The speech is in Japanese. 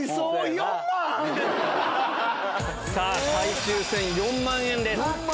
さあ、最終戦、４万円です。